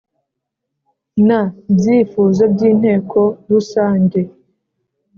n byifuzo by Inteko Rusange